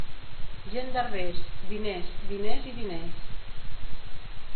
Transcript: Gent d'Herbers: diners, diners i diners.